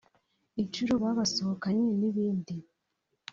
inshuro babasohokanye n’ibindi